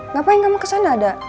ngapain kamu ke sana